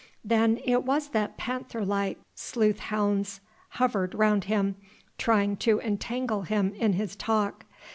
Then it was that panther like, sleek sleuth hounds hovered round Him, trying to entangle Him in His talk.